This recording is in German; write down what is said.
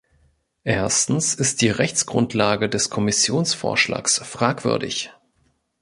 Erstens ist die Rechtsgrundlage des Kommissionsvorschlags fragwürdig.